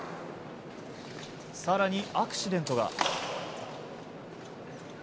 更に、アクシデントが。